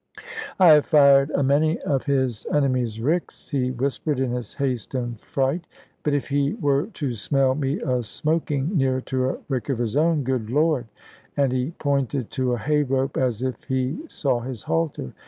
"I have fired a many of his enemies' ricks," he whispered, in his haste and fright; "but if he were to smell me a smoking near to a rick of his own, good Lord!" and he pointed to a hay rope, as if he saw his halter.